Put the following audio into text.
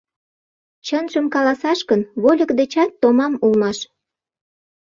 Чынжым каласаш гын, вольык дечат томам улмаш.